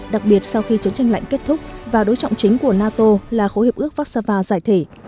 đặc biệt sau khi chiến tranh lạnh kết thúc và đối trọng chính của nato là khối hiệp ước vác sava giải thể